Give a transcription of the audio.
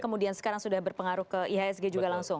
kemudian sekarang sudah berpengaruh ke ihsg juga langsung